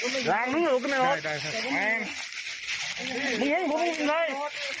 เจ้าตัวใจน้ำไหนก็ยังไม่ได้เหรอ